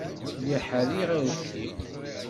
Lliɣ ḥerriɣ arekti.